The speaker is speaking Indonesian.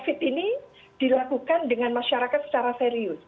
covid sembilan belas ini dilakukan dengan masyarakat secara serius